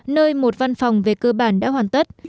nơi một văn phòng về cơ bản đã hoàn tất